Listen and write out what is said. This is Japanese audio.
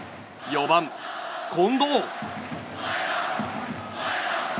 ４番、近藤。